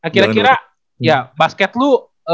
kira kira ya basket lu